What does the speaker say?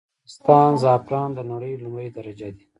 د افغانستان زعفران د نړې لمړی درجه دي.